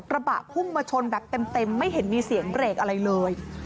ระบะพุ่งมาชนแบบเต็มไม่เห็นมีเสียงเบรกอะไรเลย